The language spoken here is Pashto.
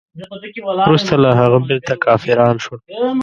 وروسته له هغه بیرته کافران شول.